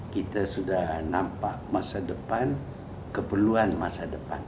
kita sudah nampak masa depan keperluan masa depan